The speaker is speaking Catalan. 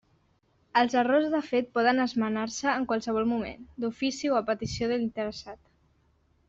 Els errors de fet poden esmenar-se en qualsevol moment, d'ofici o a petició de l'interessat.